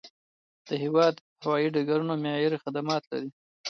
د هیواد هوایي ډګرونه معیاري خدمات لري.